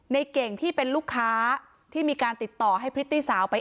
ในเก่งที่เป็นลูกค้าที่มีการติดต่อให้พริตตี้สาวไป